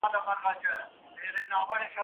څه مور لنگه، څه ترور لنگه.